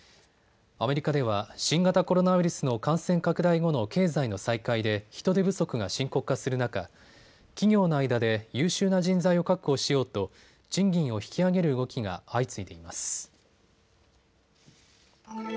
アメリカでは新型コロナウイルスの感染拡大後の経済の再開で人手不足が深刻化する中、企業の間で優秀な人材を確保しようと賃金を引き上げる動きが相次いでいます。